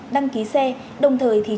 đăng ký xe đồng thời thì